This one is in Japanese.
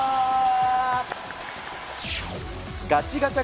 ガチガチャ！